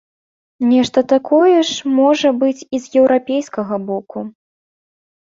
Нешта такое ж можа быць і з еўрапейскага боку.